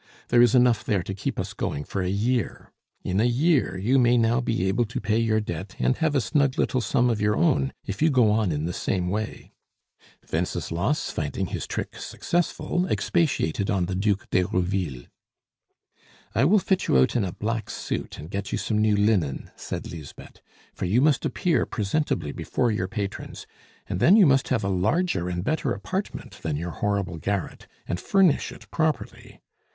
There is enough there to keep us going for a year. In a year you may now be able to pay your debt and have a snug little sum of your own, if you go on in the same way." Wenceslas, finding his trick successful, expatiated on the Duc d'Herouville. "I will fit you out in a black suit, and get you some new linen," said Lisbeth, "for you must appear presentably before your patrons; and then you must have a larger and better apartment than your horrible garret, and furnish it property.